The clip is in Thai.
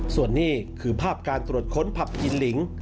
ส่วนนี้คือภาพการตรวจค้นผับกินลิง